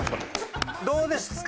どうですか？